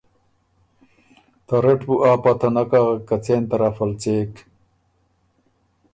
ته رټ بُو آ پته نک اغک که څېن طرف ال څېک۔